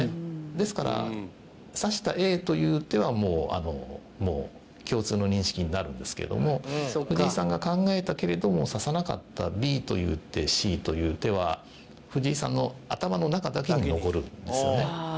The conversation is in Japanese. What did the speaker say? ですから、指したＡという手はもう、共通の認識になるんですけれども藤井さんが考えたけれども指さなかったＢという手、Ｃという手は藤井さんの頭の中だけに残るんですよね。